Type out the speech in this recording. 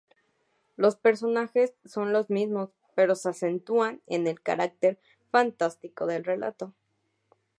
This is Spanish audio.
Los personajes son los mismos pero se acentúa el carácter fantástico del relato.